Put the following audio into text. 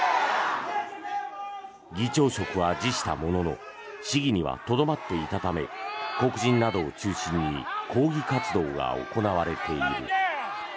議長職は辞したものの市議にはとどまっていたため黒人などを中心に抗議活動が行われている。